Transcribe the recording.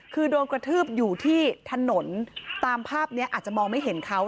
คือโดนกระทืบอยู่ที่ถนนตามภาพนี้อาจจะมองไม่เห็นเขา